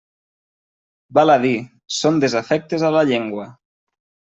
Val a dir, són desafectes a la llengua.